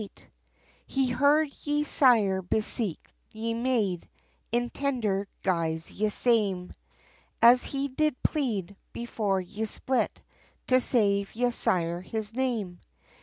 [Decoration] He heard ye Sire bespeak ye Mayde, In tender guise, ye same, As he did plead, before ye split, To save ye Sire, his name.